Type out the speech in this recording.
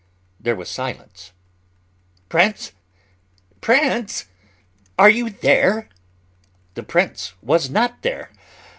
There was silence. "Prince, prince, are you there?" The prince was not there.